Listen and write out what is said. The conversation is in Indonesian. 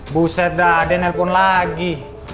buset dah ada telepon lagi